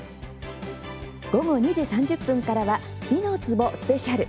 午後２時３０分からは「美の壺」のスペシャル。